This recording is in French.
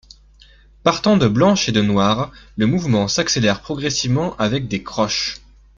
Partant de blanches et de noires, le mouvement s’accélère progressivement avec des croches...